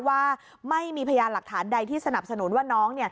ว่าไม่มีพยานหลักฐานใดที่สนับสนุนว่าน้อง